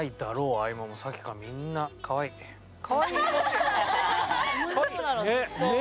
合間もさっきからみんなかわいいね。ね。ね！